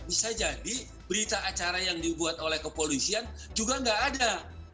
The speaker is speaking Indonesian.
bisa jadi berita acara yang dibuat oleh kepolisian juga nggak ada